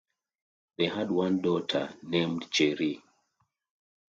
They had one daughter named Cherie.